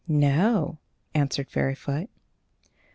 "No," answered Fairyfoot.